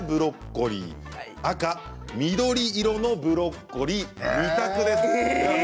青・紫がかったブロッコリー赤・緑色のブロッコリー２択です。